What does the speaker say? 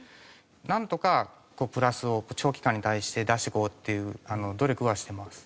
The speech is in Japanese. なんとかプラスを長期間に対して出していこうっていう努力はしてます。